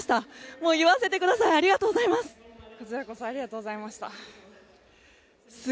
もう言わせてくださいありがとうございます。